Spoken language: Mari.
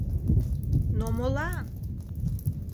«Но молан?»